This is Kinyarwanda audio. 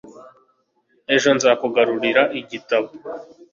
ejo nzakugarurira igitabo